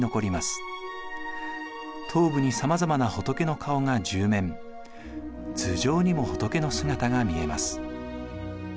頭部にさまざまな仏の顔が１０面頭上にも仏の姿が見えます。